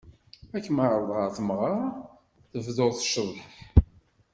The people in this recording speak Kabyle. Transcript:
Ar kem-ɛeṛḍen ɣer tmeɣṛa, tebduḍ ccḍeḥ!